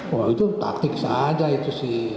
wah itu taktik saja itu sih